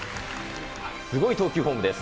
すごい投球フォームです。